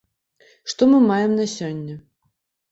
Што мы маем на сёння.